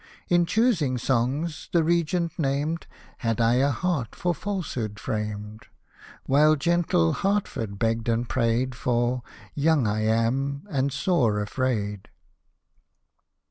In choosing songs, the Regent named " Had I a heart for falsehood framed P While gentle Hertford begged and prayed For " Young I ani^ and sore afraid.'''